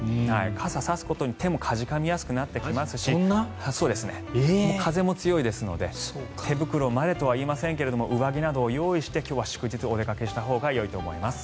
傘を差すと手もかじかみますので風も強いですので手袋までとは言いませんが上着などを用意して今日は祝日お出かけしたほうがいいと思います。